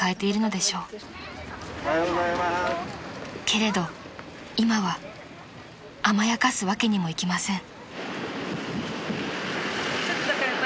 ［けれど今は甘やかすわけにもいきません］